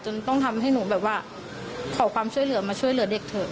ต้องทำให้หนูแบบว่าขอความช่วยเหลือมาช่วยเหลือเด็กเถอะ